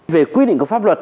về quy định của pháp luật